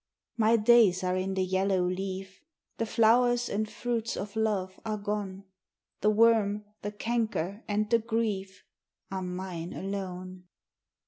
My days are in the yellow leaf; 5 The flowers and fruits of love are gone; The worm, the canker, and the grief Are mine alone!